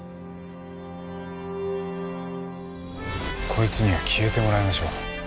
こいつには消えてもらいましょう。